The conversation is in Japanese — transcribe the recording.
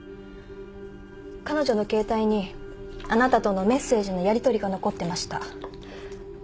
彼女の携帯にあなたとのメッセージのやりとりが残ってました。